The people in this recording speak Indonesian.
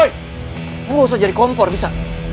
woy gue gak usah jadi kompor bisa